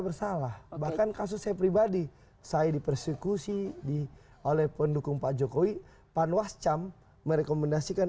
bersalah bahkan kasus saya pribadi saya dipersekusi di oleh pendukung pak jokowi panwascam merekomendasikan